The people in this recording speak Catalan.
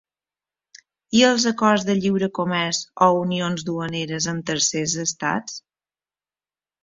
I els acords de lliure comerç o unions duaneres amb tercers estats?